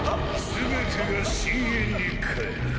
全てが深淵に還る。